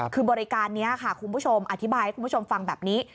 คือบริการนี้ค่ะคุณผู้ชมอธิบายให้คุณผู้ชมฟังแบบนี้